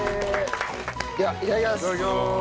ではいただきます！